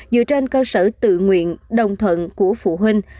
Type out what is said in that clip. dựa trên cơ sở tự nguyện đồng thuận của phụ huynh